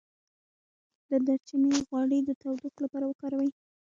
د دارچینی غوړي د تودوخې لپاره وکاروئ